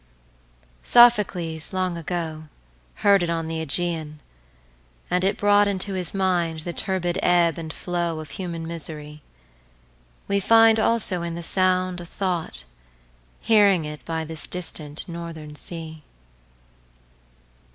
Sophocles long agoHeard it on the Ægæan, and it broughtInto his mind the turbid ebb and flowOf human misery; weFind also in the sound a thought, Hearing it by this distant northern sea.